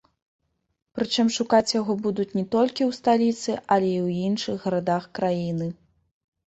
Прычым шукаць яго будуць не толькі ў сталіцы, але і ў іншых гарадах краіны.